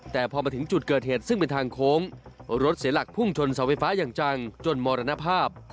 แต่พอมาถึงจุดเกิดเหตุซึ่งเป็นทางโค้งรถเสียหลักพุ่งชนเสาไฟฟ้าอย่างจังจนมรณภาพ